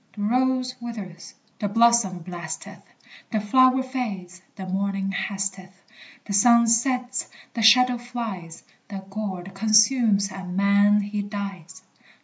The rose withers, the blossom blasteth, The flower fades, the morning hasteth, The sun sets, the shadow flies, The gourd consumes, and man he dies!